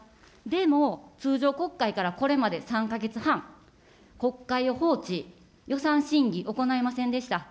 でも、通常国会からこれまで３か月半、国会を放置、予算審議行いませんでした。